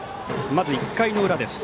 まず１回の裏です。